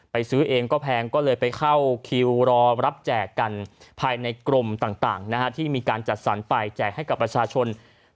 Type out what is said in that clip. ซื้อเองก็แพงก็เลยไปเข้าคิวรอรับแจกกันภายในกรมต่างที่มีการจัดสรรไปแจกให้กับประชาชน